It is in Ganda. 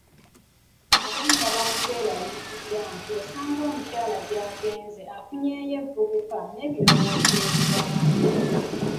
Abamu nga baba mu kweraliikirira nti osanga omukyala gy’agenze afunyeeyo evvubuka n’ebirowoozo ebirala.